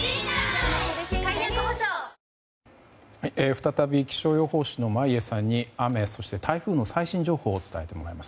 再び気象予報士の眞家さんに雨、そして台風の最新情報を伝えてもらいます。